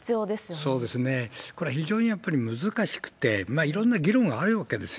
そうですね、これは非常にやっぱり難しくて、いろんな議論はあるわけですよ。